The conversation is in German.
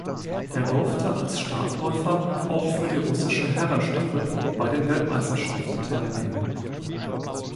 Er durfte als Startläufer auch für die russische Herrenstaffel bei den Weltmeisterschaften teilnehmen.